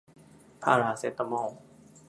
พาราเซตามอล